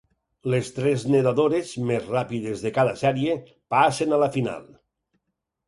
Les tres nedadores més ràpides de cada sèrie passen a la final.